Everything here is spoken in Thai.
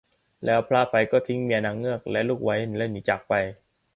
แล้วพระอภัยก็ทิ้งเมียนางเงือกและลูกไว้ แล้วหนีจากไป